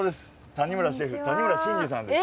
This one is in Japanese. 谷村シェフ谷村真司さんです。